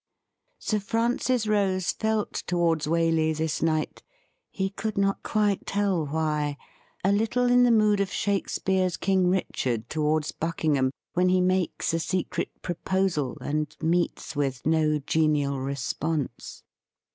Sir Francis Rose felt towards Waley this night — he could not quite tell why — a little in the mood of Shake speare's Eng Richard towards Buckingham when he makes a secret proposal, and meets with no genial response.